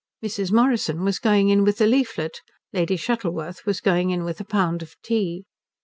Mrs. Morrison was going in with a leaflet; Lady Shuttleworth was going in with a pound of tea.